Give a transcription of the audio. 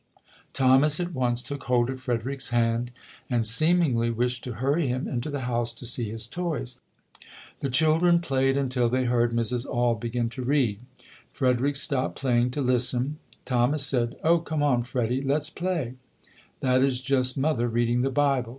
Thomas at once took hold of Frederick's hand and seemingly wished to hurry him into the house to see his toys. The children played until they heard Mrs. Auld begin to read. Frederick stopped playing to listen. Thomas said, "Oh, come on, Freddie, let's play. That is just Mother reading the Bible.